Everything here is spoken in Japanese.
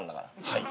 はい。